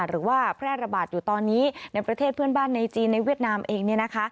หรือว่าแพร่ระบาดอยู่ตอนนี้ในประเทศเพื่อนบ้านในจีนในเวียดนามเอง